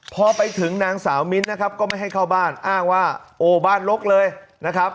พอไปถึงนางสาวมิ้นนะครับก็ไม่ให้เข้าบ้านอ้างว่าโอ้บ้านลกเลยนะครับ